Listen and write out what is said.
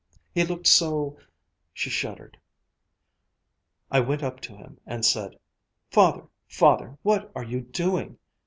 He looked so " She shuddered. "I went up to him and said, 'Father, Father, what are you doing?'